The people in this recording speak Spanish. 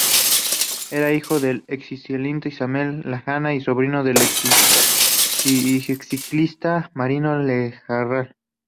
Era hijo del exciclista Ismael Lejarreta y sobrino del exciclista Marino Lejarreta.